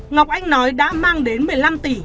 ngọc anh nói đã mang đến một mươi năm tỷ